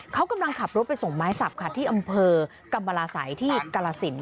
เขากำลังขับรถไปส่งไม้สับค่ะที่อำเภอกรรมราศัยที่กรสิน